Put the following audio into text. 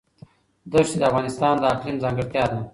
دښتې د افغانستان د اقلیم ځانګړتیا ده.